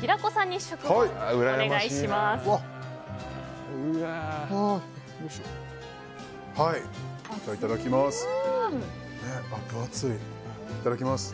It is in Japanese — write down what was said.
平子さんに試食をお願いします。